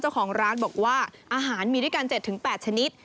เจ้าของร้านบอกว่าอาหารมีด้วยกัน๗๘ชนิด